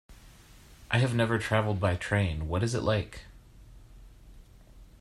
I have never traveled by train, what is it like?